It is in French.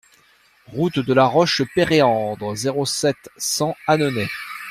Route de la Roche Péréandre, zéro sept, cent Annonay